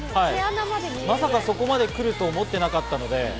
まさかそこまで来ると思ってなかったので。